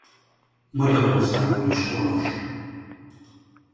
Magyarországon is honos.